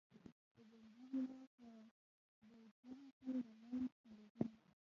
د جنګي کلا په برجونو کې رڼاوې ښکارېدلې.